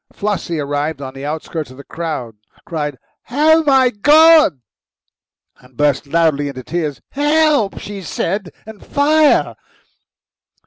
Flossie, arriving on the outskirts of the crowd, cried, "Oh, my God!" and burst loudly into tears. "Help!" she said, and "Fire!"